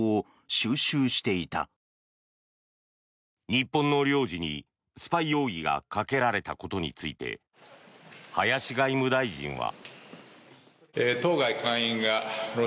日本の領事にスパイ容疑がかけられたことについて林外務大臣は。